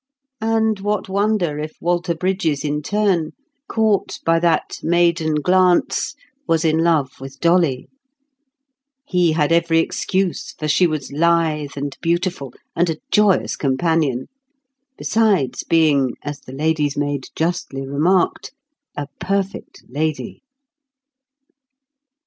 And what wonder if Walter Brydges in turn, caught by that maiden glance, was in love with Dolly? He had every excuse, for she was lithe, and beautiful, and a joyous companion; besides being, as the lady's maid justly remarked, a perfect lady.